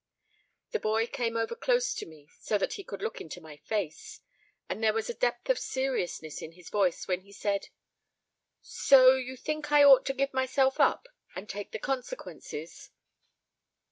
The boy came over close to me so he could look into my face, and there was a depth of seriousness in his voice when he said, "So you think I ought to give myself up and take the consequences?"